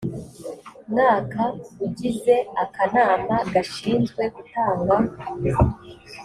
mwaka ugize akanama gashinzwe gutanga